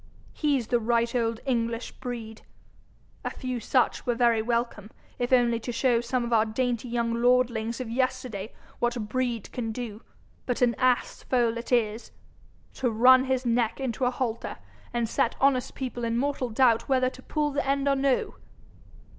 He's the right old English breed. A few such were very welcome, if only to show some of our dainty young lordlings of yesterday what breed can do. But an ass foal it is! To run his neck into a halter, and set honest people in mortal doubt whether to pull the end or no!